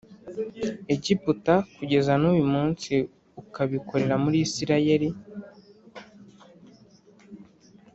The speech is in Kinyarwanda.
Egiputa kugeza nuyu munsi ukabikorera muri Isirayeli